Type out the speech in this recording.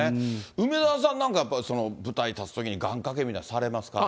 梅沢さんなんか、やっぱり舞台立つときに願掛けみたいのされますか。